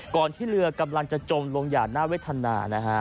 ก่อนที่เรือกำลังจะจมลงหยาดนาวิทยาณา